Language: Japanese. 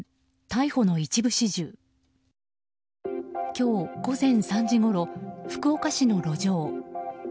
今日、午前３時ごろ福岡市の路上。